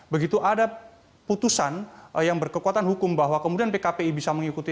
begitu ada putusan yang berkekuatan hukum bahwa kemudian pkpi bisa mengikuti